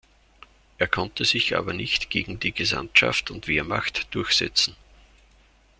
Er konnte sich aber nicht gegen die Gesandtschaft und Wehrmacht durchsetzen.